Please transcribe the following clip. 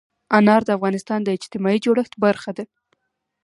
انار د افغانستان د اجتماعي جوړښت برخه ده.